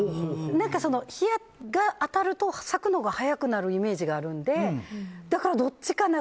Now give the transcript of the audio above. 日が当たると咲くのが早くなるイメージがあるのでだから、どっちかな。